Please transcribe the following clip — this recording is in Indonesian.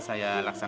saya tidak tahu